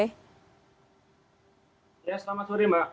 ya selamat sore mbak